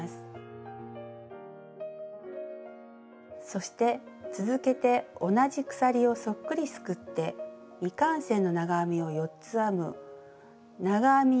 そして続けて同じ鎖をそっくりすくって未完成の長編みを４つ編む長編み